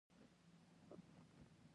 مجازي مانا اخستلو ته مجاز وايي.